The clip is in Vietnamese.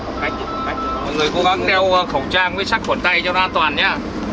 mọi người cố gắng đeo khẩu trang với sắc khuẩn tay cho nó an toàn nhé